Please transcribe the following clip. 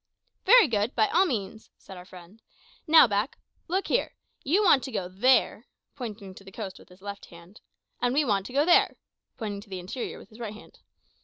"Very good, by all means," said our friend. "Now, Mak, look here. You want to go there" (pointing to the coast with his left hand), "and we want to go there" (pointing to the interior with his right hand).